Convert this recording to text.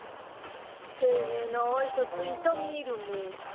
丁寧な挨拶痛み入るモォ。